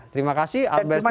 terima kasih albertus